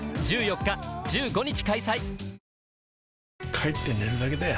帰って寝るだけだよ